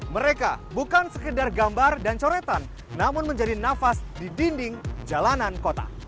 mereka bukan sekedar gambar dan coretan namun menjadi nafas di dinding jalanan kota